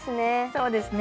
そうですね。